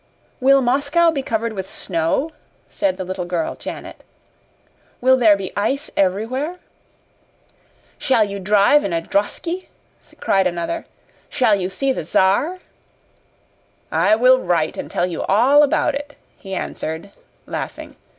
"Will Moscow be covered with snow?" said the little girl Janet. "Will there be ice everywhere?" "Shall you drive in a drosky?" cried another. "Shall you see the Czar?" "I will write and tell you all about it," he answered, laughing.